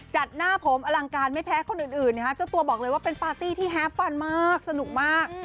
หน้าผมอลังการไม่แพ้คนอื่นเจ้าตัวบอกเลยว่าเป็นปาร์ตี้ที่แฮปฟันมากสนุกมาก